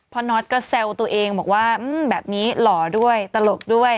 น็อตก็แซวตัวเองบอกว่าแบบนี้หล่อด้วยตลกด้วย